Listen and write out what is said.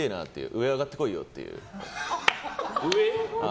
上へ上がってこいよっていう。